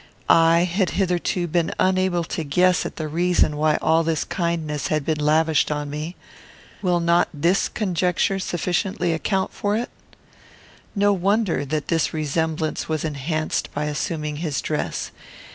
I had hitherto been unable to guess at the reason why all this kindness had been lavished on me. Will not this conjecture sufficiently account for it? No wonder that this resemblance was enhanced by assuming his dress.